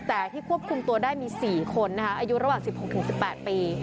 แต่ที่ควบคุมตัวได้มี๔คนอายุระหว่าง๑๖๑๘ปี